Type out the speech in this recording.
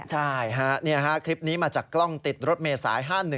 ใช่ฮะคลิปนี้มาจากกล้องติดรถเมษาย๕๑